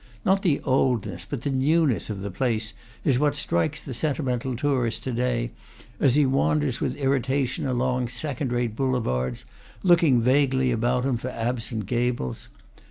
Not the oldness, but the newness, of the place is what strikes the sentimental tourist to day, as he wanders with irritation along second rate boulevards, looking vaguely about him for absent gables.